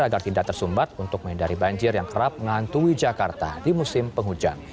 agar tidak tersumbat untuk menghindari banjir yang kerap menghantui jakarta di musim penghujan